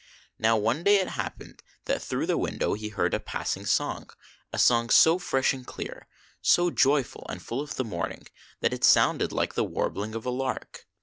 Now one day it happened that through the window he heard a passing song, a song so fresh and clear, so joyful and full of the morning, that it sounded like the warbling of a lark.